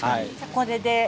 これで。